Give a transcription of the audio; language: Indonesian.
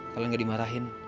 kalian nggak dimarahin